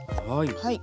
はい。